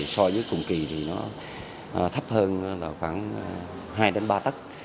so với cùng kỳ thì nó thấp hơn khoảng hai ba tắc